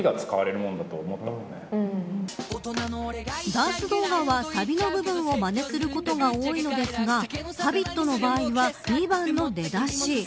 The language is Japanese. ダンス動画はサビの部分をまねすることが多いのですがＨａｂｉｔの場合は２番の出だし。